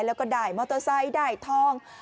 แล้วก็ได้มอเตอร์ไซค์ได้ทอง